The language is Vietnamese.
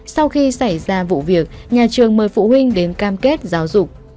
sau khi xảy ra vụ việc nhà trường mời phụ huynh đến cam kết giáo dục